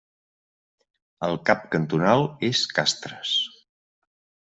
El cap cantonal és Castres.